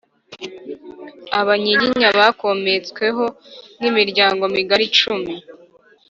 Abanyiginya bakomotsweho n’imiryango migari icumi